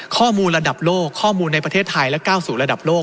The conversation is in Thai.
ข้อมูลระดับโลกข้อมูลในประเทศไทยและก้าวสู่ระดับโลก